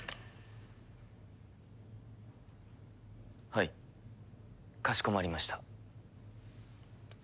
はいかしこまりました。